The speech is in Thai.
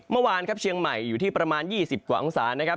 เมื่อวานครับเชียงใหม่อยู่ที่ประมาณ๒๐กว่าองศานะครับ